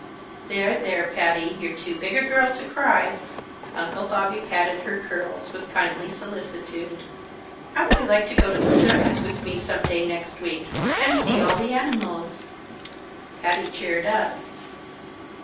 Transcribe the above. "There, there, Patty! You're too big a girl to cry." Uncle Bobby patted her curls, with kindly solicitude. "How would you like to go to the circus with me some day next week, and see all the animals?" Patty cheered up.